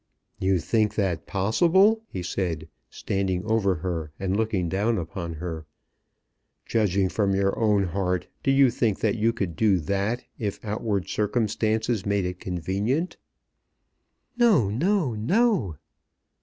"You think that possible?" he said, standing over her, and looking down upon her. "Judging from your own heart do you think that you could do that if outward circumstances made it convenient?" "No, no, no."